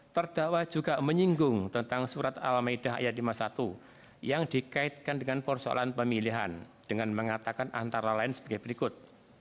terdakwa juga menyinggung tentang surat al ⁇ maidah ⁇ ayat lima puluh satu yang dikaitkan dengan persoalan pemilihan dengan mengatakan antara lain sebagai berikut